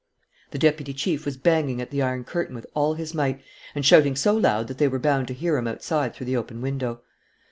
The deputy chief was banging at the iron curtain with all his might and shouting so loud that they were bound to hear him outside through the open window.